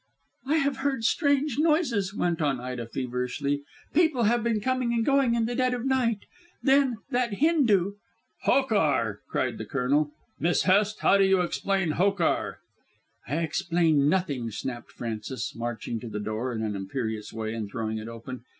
"I have heard strange noises," went on Ida feverishly. "People have been coming and going in the dead of night. Then that Hindoo " "Hokar!" cried the Colonel. "Miss Hest, how do you explain Hokar?" "I explain nothing," snapped Frances, marching to the door in an imperious way and throwing it open.